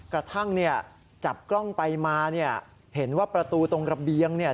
กระทั่งเนี่ยจับกล้องไปมาเนี่ยเห็นว่าประตูตรงระเบียงเนี่ย